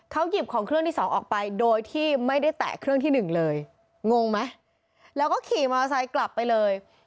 เขาหยิบของเครื่องที่๒ออกไปโดยที่ไม่ได้แตะเครื่องที่๑เลย